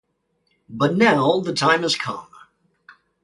But now the time has come.